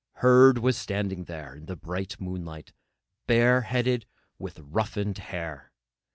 Herd was standing there in the bright moonlight, bareheaded, with roughened hair.